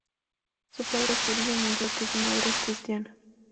Su padre es judío, mientras que su madre es cristiana.